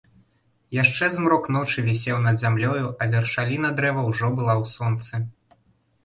Яшчэ змрок ночы вісеў над зямлёю, а вяршаліна дрэва ўжо была ў сонцы.